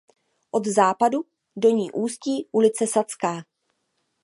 Od západu do ní ústí ulice Sadská.